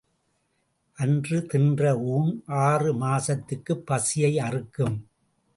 அன்று தின்ற ஊண் ஆறு மாசத்துக்குப் பசியை அறுக்கும்.